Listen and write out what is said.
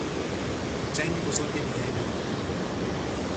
جنگ بزرگ میهنی